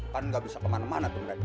kan nggak bisa kemana mana tuh mereka